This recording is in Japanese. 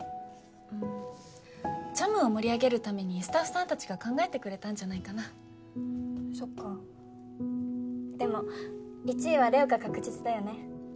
うんちゃむを盛り上げるためにスタッフさんたちが考えてくれたんじゃないかなそっかでも１位はれおが確実だよね